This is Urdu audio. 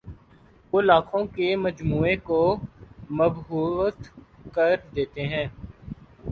وہ لاکھوں کے مجمعے کو مبہوت کر دیتے ہیں